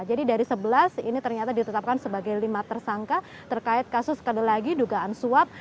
jadi dari sebelas ini ternyata ditetapkan sebagai lima tersangka terkait kasus sekali lagi dugaan suap